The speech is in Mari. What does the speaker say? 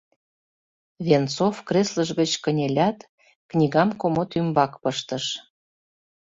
Венцов креслыж гыч кынелят, книгам комод ӱмбак пыштыш.